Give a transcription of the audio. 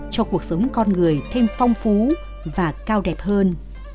cho cuộc sống con người thêm phong phú và cao đẹp hơn